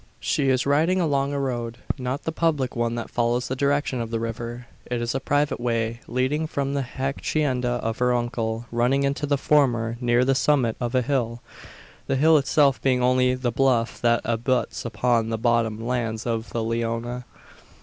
She is riding along a road not the public one that follows the direction of the river. It is a private way leading from the hacienda of her uncle, running into the former near the summit of a hill the hill itself being only the bluff that abuts upon the bottom lands of the Leona.